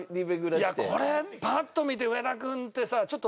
いやこれパッと見て上田君ってさちょっと。